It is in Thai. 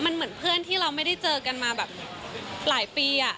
มันเหมือนเพื่อนที่เราไม่ได้เจอกันมาแบบหลายปี